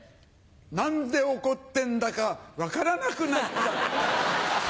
何で怒ってんだか分からなくなっちゃった。